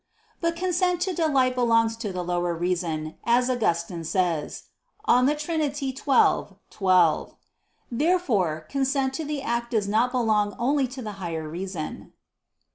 But consent to delight belongs to the lower reason, as Augustine says (De Trin. xii, 12). Therefore consent to the act does not belong only to the higher reason.